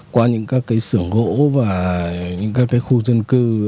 qua những các cái xưởng gỗ và những các cái khu dân cư